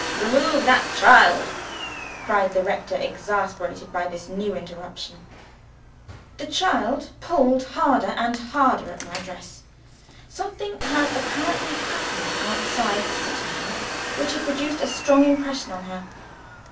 "Remove that child!" cried the rector, exasperated by this new interruption. The child pulled harder and harder at my dress. Something had apparently happened outside the sitting room which had produced a strong impression on her.